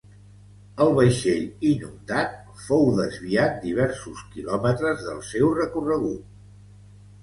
El vaixell inundat fou desviat diversos kilòmetres del seu recorregut.